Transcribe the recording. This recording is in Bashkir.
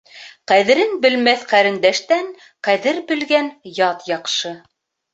Ҡәҙерен белмәҫ ҡәрендәштән ҡәҙер белгән ят яҡшы.